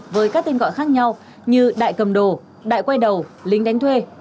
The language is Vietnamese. với các tên gọi khác nhau như đại cầm đồ đại quay đầu lính đánh thuê